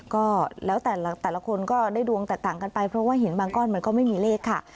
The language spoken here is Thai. ก็แล้วแต่แต่ละคนก็ได้ดวงแตกต่างกันไปเพราะว่าหินบางก้อนมันก็ไม่มีเลขค่ะ